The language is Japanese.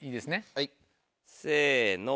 はいせの。